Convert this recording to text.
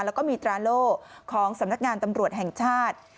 แล้วก็มีตราโล่ของสำนักงานตำรวจแห่งชาติ